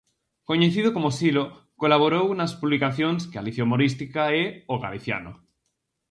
Coñecido como Silo, colaborou nas publicacións "Galicia humorística" e "O Galiciano".